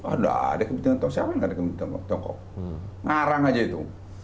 ada ada kepentingan tiongkok siapa nggak ada kepentingan tiongkok ngarang aja itu